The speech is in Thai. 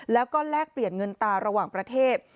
แล้วก็แลกเปลี่ยนเงินตาระหว่างประเทศ